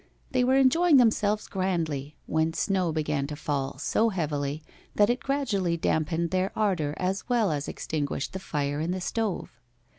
They were enjoying themselves grandly, when snow began to fall so heavily that it gradually dampened their ardor as well as extinguished the fire in the stove.